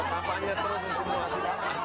tampaknya terus simulasi